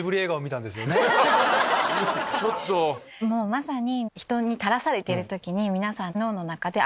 まさに。